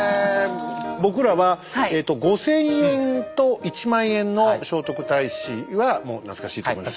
僕らは五千円と一万円の聖徳太子はもう懐かしいと思います。